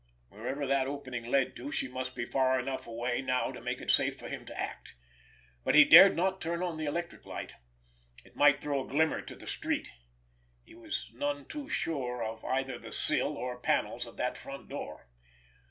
Wherever that opening led to, she must be far enough away now to make it safe for him to act. But he dared not turn on the electric light. It might throw a glimmer to the street. He was none too sure of either the sill or panels of that front door!